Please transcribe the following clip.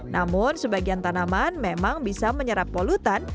namun sebagian tanaman memang bisa menyerap polutan